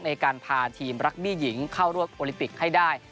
ในการพาทีมรักบี้หญิงเข้าร่วมโอลิปิกให้ได้